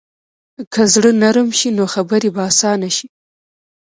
که زړه نرمه شي، نو خبرې به اسانه شي.